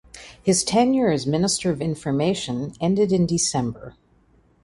His tenure as Minister of Information ended in December.